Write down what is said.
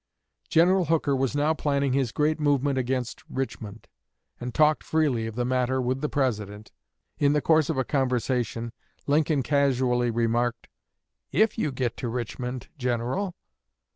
General Hooker was now planning his great movement against Richmond, and talked freely of the matter with the President, In the course of a conversation, Lincoln casually remarked, "If you get to Richmond, General."